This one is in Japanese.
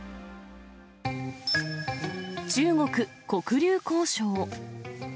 中国・黒竜江省。